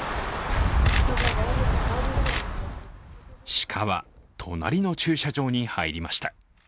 鹿は隣の駐車場に入りました。